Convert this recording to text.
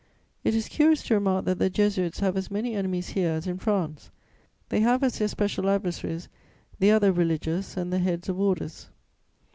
It is curious to remark that the Jesuits have as many enemies here as in France: they have as their special adversaries the other religious and the heads of Orders.